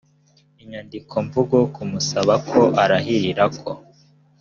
inyandikomvugo kumusaba ko arahirira ko